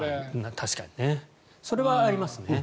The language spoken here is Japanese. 確かにね。それはありますね。